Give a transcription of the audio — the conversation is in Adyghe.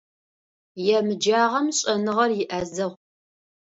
Емыджагъэм шӏэныгъэр иӏэзэгъу.